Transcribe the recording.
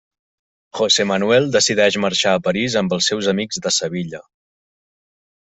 José Manuel decideix marxar a París amb els seus amics de Sevilla.